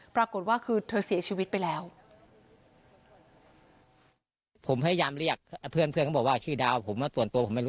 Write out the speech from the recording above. ปรากฏว่าคือเธอเสียชีวิตไปแล้ว